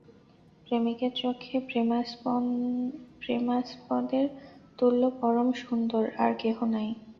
প্রেমিকের চক্ষে প্রেমাস্পদের তুল্য পরম সুন্দর আর কেহ নাই।